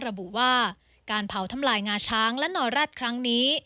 ระบุว่าการเผาทำลายงาช้างและนอแร็ดครั้งนี้